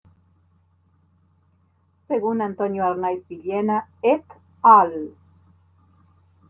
Según Antonio Arnaiz-Villena "et al".